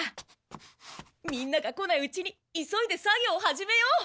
みんなが来ないうちに急いで作業を始めよう！